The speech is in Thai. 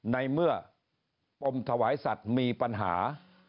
ในเมื่อปมถวายสัตว์มีปัญหา